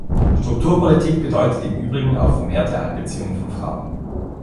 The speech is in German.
Strukturpolitik bedeutet im übrigen auch vermehrte Einbeziehung von Frauen.